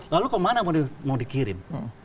lalu kemana mau dikirim